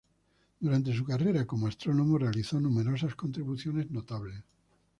Durante su carrera como astrónomo realizó numerosas contribuciones notables.